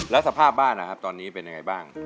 แล้วสภาพบ้านนะครับตอนนี้เป็นยังไงบ้าง